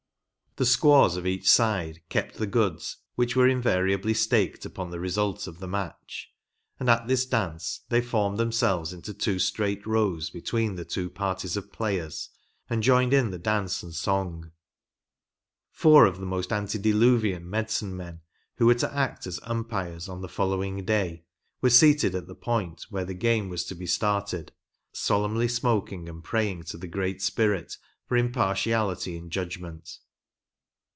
The squaws of each side kept the goods whi^h were invariably staked upon the result of the match ; and at this danoo they formed themselves in two straight rows between the two parties of players, and joined in the dance and song. Four of the most antediluvian medicine men who were to act as umpires on the following day, were seated at the point .vhere the game was to be started, solemnly smoking and praying to the Great Spirit for impartiality in judgment.